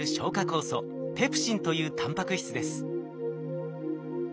酵素ペプシンというタンパク質です。